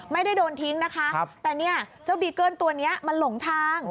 ไม่ได้โดนทิ้งนะคะแต่เนี่ยเจ้าบีเกิ้ลตัวนี้มันหลงทาง